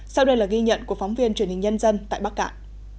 sau đây là ghi nhận của phóng viên truyền hình nhân dân tại bắc cạn